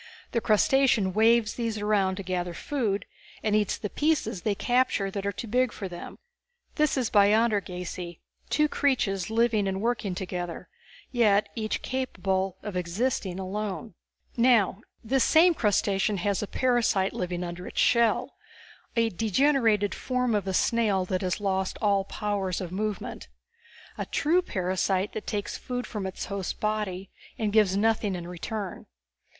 The crustacean waves these around to gather food, and eats the pieces they capture that are too big for them. This is biontergasy, two creatures living and working together, yet each capable of existing alone. "Now, this same crustacean has a parasite living under its shell, a degenerated form of a snail that has lost all powers of movement. A true parasite that takes food from its host's body and gives nothing in return.